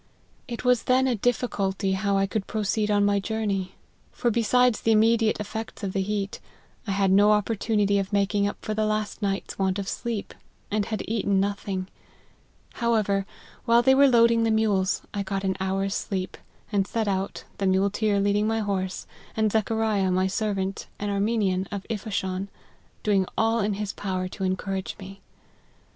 It was then a difficulty how I could proceed on my journey ; for besides the immediate effects of the heat, I had no opportunity of making up for the last night's want of sleep, and had eaten nothing. However, while they were loading the mules I got an hour's sleep, and set out, the mule teer leading my horse, and Zachariah, my servant, an Armenian, of Isfahan,, doing all in his power to encourage me.